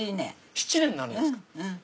７年になるんですか。